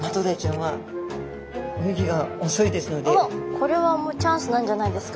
これはもうチャンスなんじゃないですか